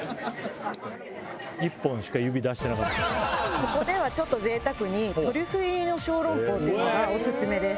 ここではちょっと贅沢にトリュフ入りの小籠包っていうのがオススメです。